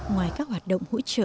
ngoài các hoạt động hỗ trợ